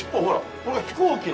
これ飛行機の。